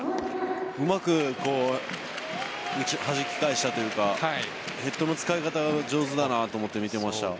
うまくはじき返したというかヘッドの使い方が上手だなと思って見てました。